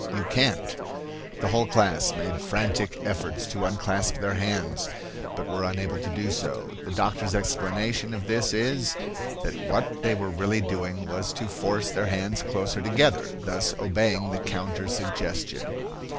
You can't." The whole class made frantic efforts to unclasp their hands, but were unable to do so. The doctor's explanation of this is, that what they were really doing was to force their hands closer together, thus obeying the counter suggestion.